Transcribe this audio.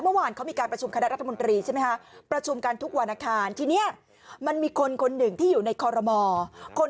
เมื่อวานเขามีการประชุมคณะรัฐมนตรีใช่ไหมคะประชุมกันทุกวันอาคารทีนี้มันมีคนคนหนึ่งที่อยู่ในคอรมอคน